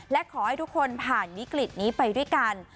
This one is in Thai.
และขอให้ทุกคนผ่านวิกฤตนี้ไปด้วยกัน